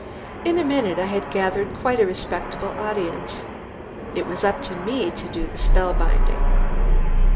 In a minute I had gathered quite a respectable audience. It was up to me to do the spellbinding.